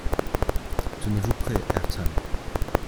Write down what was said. Tenez-vous prêt, Ayrton.